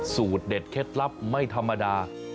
สูตรเด็ดเคล็ดลับไม่ธรรมดา